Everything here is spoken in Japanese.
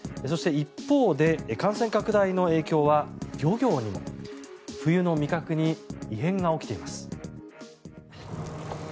そして一方で感染拡大の影響は漁業にも。冬の味覚に異変が起きています。